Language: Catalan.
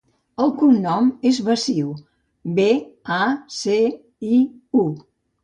El cognom és Baciu: be, a, ce, i, u.